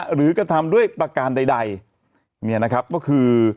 กระทำด้วยประการใดเนี่ยนะครับก็คือ